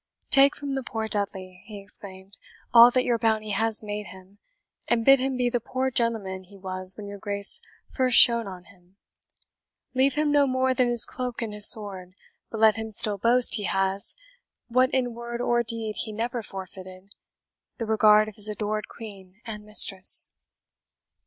"Take from the poor Dudley," he exclaimed, "all that your bounty has made him, and bid him be the poor gentleman he was when your Grace first shone on him; leave him no more than his cloak and his sword, but let him still boast he has what in word or deed he never forfeited the regard of his adored Queen and mistress!"